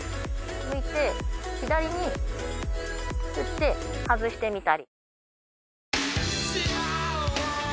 向いて左に打って外してみたり。